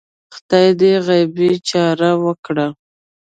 خدای دې غیبي چاره وکړه